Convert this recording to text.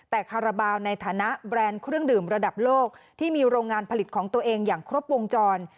แต่คาราบาลในฐานะแบรนด์เครื่องดื่มระดับโลกที่มีโรงงานผลิตของตัวเองอย่างครบวงจร